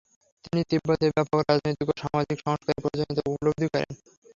তিনি তিব্বতে ব্যাপক রাজনৈতিক ও সামাজিক সংস্কারের প্রয়োজনীয়তা উপলব্ধি করেন।